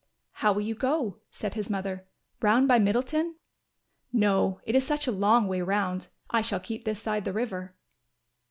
"How will you go," said his mother, "round by Middleton?" "No, it is such a long way round; I shall keep this side the river."